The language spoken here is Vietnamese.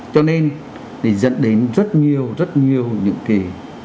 cho nên nhân dân đã phản ứng như vậy